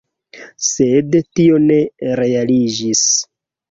Sed tio ne realiĝis.